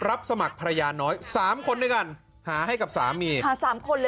แล้วก็หนึ่งคือแม่บ้านอีก๑คนแม่บ้านอาจจะได้เงินเยอะนะคะ